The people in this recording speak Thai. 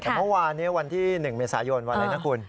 แต่เมื่อวานนี้วันที่๑เมษายนวันอะไรนะคุณ